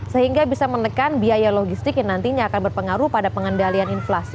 sehingga bisa menekan biaya logistik yang nantinya akan berpengaruh pada pengendalian inflasi